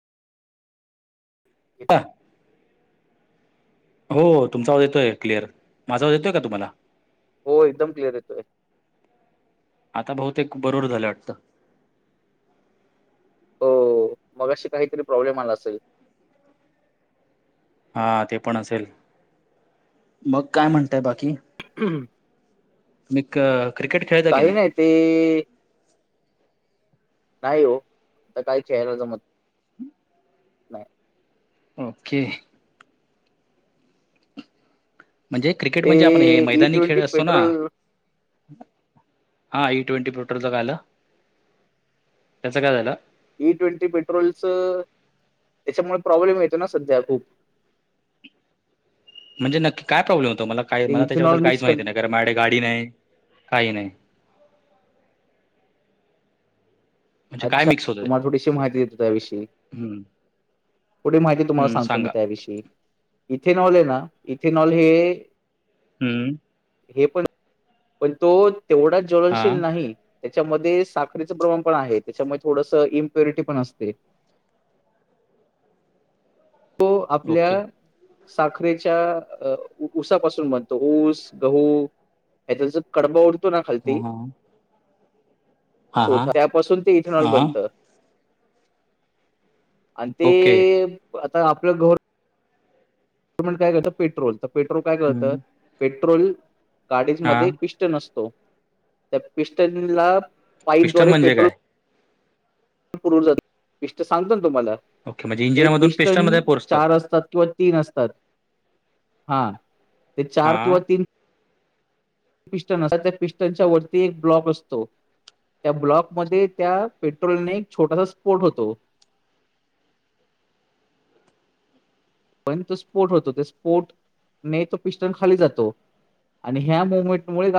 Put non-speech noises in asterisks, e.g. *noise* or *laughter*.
अ हो तुमचा आवाज येतो क्लअर माझा आवाज येतोय का तुम्हाला *unintelligible* हो एकदम क्लिअर येतोय आता बहुते बरोबर झालं वाटतं मग अशी काहीतरी प्रॉब्लेम आला असेल हा ते पण असेल मग काय म्हणताय बाकी *unintelligible* हम ह मी क्रिकेट खेळ दगे नाही ते नाही हो आता काय खेळायलाच मत ओके म्हणजे क्रिकेट ते म्हणजे आपण हे ई मैदानी ट्वेंटी खेळ असतो ना पेट्रोल *unintelligible* हा इई ट्वेंटी प्रोट का आलं त्याच काय झालं *unintelligible* ई ट्वेंटी पेट्रोलच त्याच्यामुळे प्रॉब्लेम येतं ना सध्या खूप *unintelligible* म्हणजे नक्की काय प्रॉब्लेम होतो मला काय ते मला त्याच्याबद्दल इथेनॉल मिक्स काहीच कर माहिती नाही कार माडे गाडी नाही काही नाही म्हणजे काय अच्छा मिक्स होतंय तुम्हाला थोडीशी माहिती देतो त्याविषयी *unintelligible* हम्म पुढ माहितीुम्हाला हम्म सांगतो मी सांगा त्याविषयी इथेनॉल आहे ना इथेनॉल हे हम्म हे पण पण तो तेवढाच हा ज्वलनशील नाही *unintelligible* त्याच्यामध्ये साखरीचं प्रमाण पण आहे त्याच्यामध्ये थोडसं इम्प्युरिटी पण असते *unintelligible* तो आपल्या ओके साखरेच्या ऊसापासून म्हणतो ऊस गहू *unintelligible* ह त कडबा उडतो ना हा खालती हा हा ध हा त्यापासून ते इथेनॉल हा बनत *unintelligible* आणि ते ओके आता आपलं घर कायत पेट्रोल तर पेट्रोल काय करत हम्म पेट्रोल गाडी हा पिस्टन *unintelligible* े पे म्हणजे काय *unintelligible* पिष्ट सांगत ना तुम्हाला ओके म्हणजे ते इंजिनामधून पिष्ट पिस्टनमध्ये पोहोचतं चार असतात किंवा *unintelligible* तन असतात हा ते चार हां किंवा तीन *unintelligible* पिस्टन असात त्या पिस्टनच्या वरती एक ब्लॉक असतो त्या ब्लॉकमध्येध्ये त्या पेट्रोलने एक छोटासा स्पोट होतो *unintelligible* पण तो स्पोट होतो त्या स्फोटने तो पिस्टल खाली जातो *unintelligible* आणि ह्या मोवमेंटमुळे